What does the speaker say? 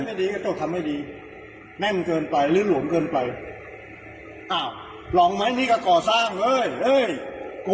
กระโต๊ะทำไม่ดีแม่งเกินไปหรือหลวงเกินไปอ้าวลองไหมนี่กระก่อสร้างเฮ้ยเฮ้ย